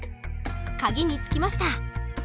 鍵につきました。